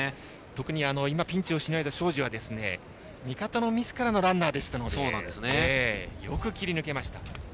特に今ピンチをしのいだ庄司は味方のミスからのランナーでしたのでよく切り抜けました。